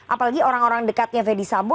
apalagi orang orang dekatnya fadisambo